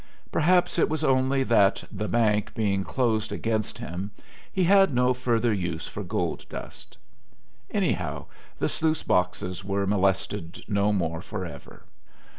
Perhaps it was only that "the bank" being closed against him he had no further use for gold dust. Anyhow the sluice boxes were molested no more forever.